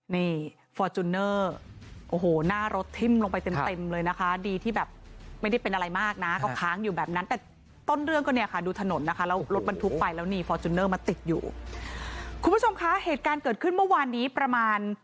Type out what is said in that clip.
นี่ฟอร์จูเนอร์โอ้โหหน้ารถทิ้มลงไปเต็มเต็มเลยนะคะดีที่แบบไม่ได้เป็นอะไรมากนะก็ค้างอยู่แบบนั้นแต่ต้นเรื่องก็เนี่ยค่ะดูถนนนะคะแล้วรถบรรทุกไปแล้วนี่ฟอร์จูเนอร์มาติดอยู่คุณผู้ชมคะเหตุการณ์เกิดขึ้นเมื่อวานนี้ประมาณ